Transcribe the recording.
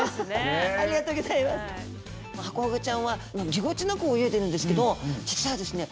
ハコフグちゃんはぎこちなく泳いでるんですけど実はですね